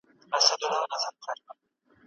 آیا د خاوند د استمتاع حق دائمي سو؟